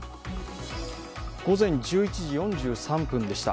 午前１１時４３分でした。